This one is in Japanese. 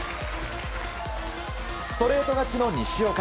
ストレート勝ちの西岡。